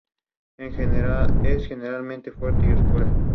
Asociado a arrecifes, es una especie no migratoria.